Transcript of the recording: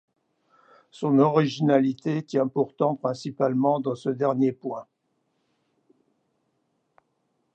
Son originalité tient pourtant principalement dans ce dernier point.